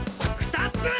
２つ！